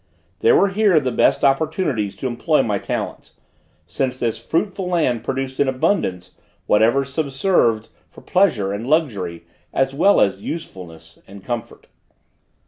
There were here the best opportunities to employ my talents, since this fruitful land produced in abundance whatever subserved for pleasure and luxury as well as usefulness and comfort.